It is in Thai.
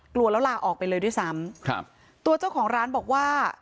กลัวแล้วลาออกไปเลยด้วยซ้ำครับตัวเจ้าของร้านบอกว่า